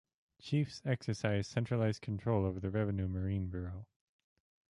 Chiefs exercised centralized control over the Revenue Marine Bureau.